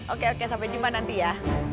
oke oke sampai jumpa nanti ya